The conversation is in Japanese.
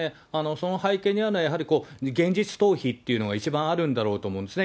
その背景にあるのは、やはり現実逃避というのが一番あるんだろうと思うんですね。